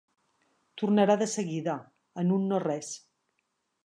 Tornarà de seguida, en un no res.